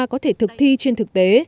có thể thực thi trên thực tế